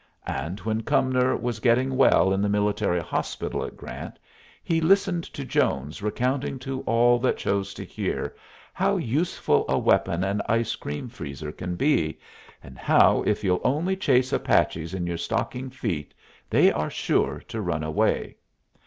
And when Cumnor was getting well in the military hospital at Grant, he listened to Jones recounting to all that chose to hear how useful a weapon an ice cream freezer can be, and how if you'll only chase Apaches in your stocking feet they are sure to run away.